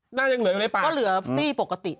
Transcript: ยังเหลืออยู่ในปากก็เหลือซี่ปกติ